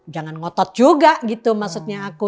jangan ngotot juga gitu maksudnya aku